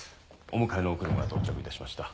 お迎えのお車到着いたしました。